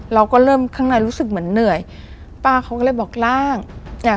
เราก็เริ่มข้างในรู้สึกเหมือนเหนื่อยป้าเขาก็เลยบอกล่างอ่ะ